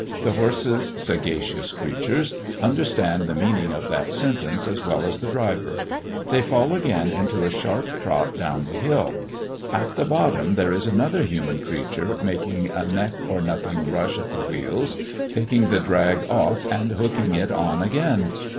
The horses, sagacious creatures, understand the meaning of that sentence as well as the driver; they fall again into a sharp trot down the hill. At the bottom there is another human creature making a neck or nothing rush at the wheels, taking the drag off and hooking it on again.